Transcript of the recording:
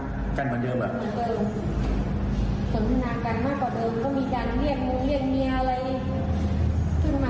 สนทนากันมากกว่าเดิมก็มีการเรียกหนูเรียกเมียอะไรขึ้นมา